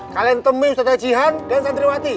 kalian temui ustadz hajihan dan santriwati